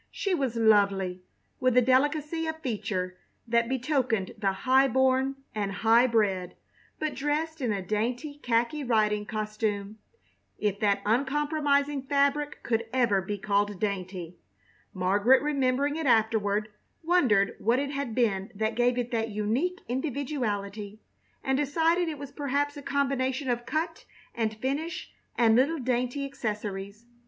She was lovely, with a delicacy of feature that betokened the high born and high bred, but dressed in a dainty khaki riding costume, if that uncompromising fabric could ever be called dainty. Margaret, remembering it afterward, wondered what it had been that gave it that unique individuality, and decided it was perhaps a combination of cut and finish and little dainty accessories.